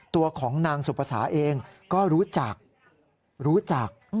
ตัวของนางสุภาษาเองก็รู้จักรู้จัก